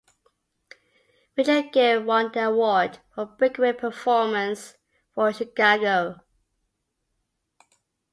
Richard Gere won the award for Breakaway Performance for "Chicago".